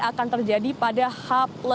akan terjadi pada h